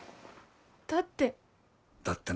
だって。